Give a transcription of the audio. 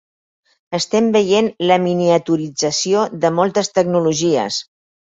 Estem veient la miniaturització de moltes tecnologies.